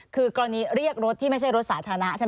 คือกรณีเรียกรถที่ไม่ใช่รถสาธารณะใช่ไหม